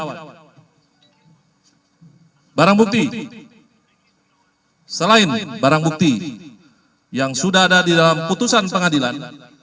dan barang bukti selain barang bukti yang sudah ada di dalam putusan pengadilan